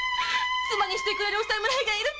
「妻にしてくれるお侍がいる」